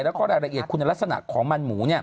แล้วก็รายละเอียดคุณลักษณะของมันหมู